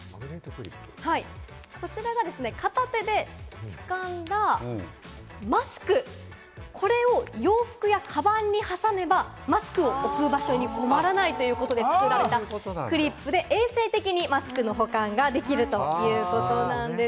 こちらがですね、片手で掴んだマスク、これを洋服や、かばんに挟めば、マスクを置く場所に困らないということで作られたクリップで衛生的にマスクの保管ができるということなんです。